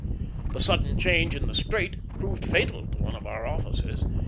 The sudden change in the strait proved fatal to one of our officers.